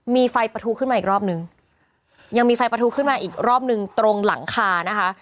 มีไฟประทุขึ้นมาอีกรอบนึงยังมีไฟประทุขึ้นมาอีกรอบหนึ่งตรงหลังคานะคะ